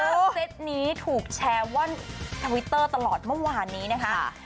แล้วเซตนี้ถูกแชร์ว่อนทวิตเตอร์ตลอดเมื่อวานนี้นะคะ